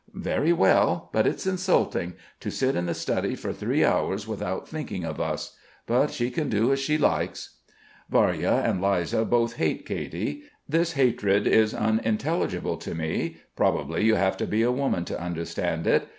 "Very well; but it's insulting. To sit in the study for three hours, without thinking of us. But she can do as she likes." Varya and Liza both hate Katy. This hatred is unintelligible to me; probably you have to be a woman to understand it.